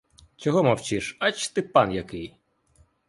Чого мовчиш, ач ти, пан який!